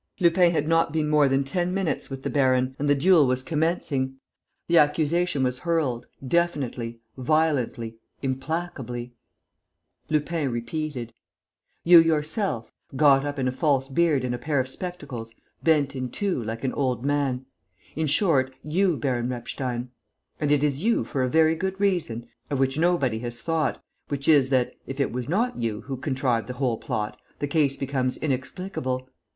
Lupin had not been more than ten minutes with the baron; and the duel was commencing. The accusation was hurled, definitely, violently, implacably. Lupin repeated: "You yourself, got up in a false beard and a pair of spectacles, bent in two, like an old man. In short, you, Baron Repstein; and it is you for a very good reason, of which nobody has thought, which is that, if it was not you who contrived the whole plot, the case becomes inexplicable.